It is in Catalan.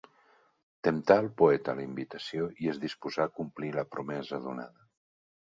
Temptà al poeta la invitació i es disposà a complir la promesa donada.